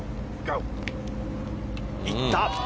いった！